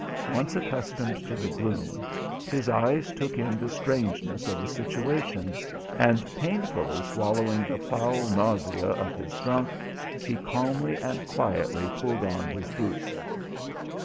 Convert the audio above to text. Once accustomed to the gloom, his eyes took in the strangeness of the situation and, painfully swallowing the foul nausea of his drunk, he calmly and quietly pulled on his boots.